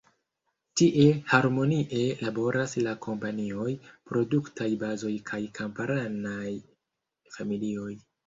Tie harmonie laboras la kompanioj, produktaj bazoj kaj kamparanaj familioj.